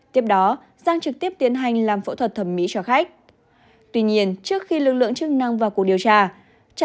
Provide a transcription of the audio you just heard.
tiếp đó giang trực tiếp tiến hành làm phẫu thuật thẩm mỹ cho khách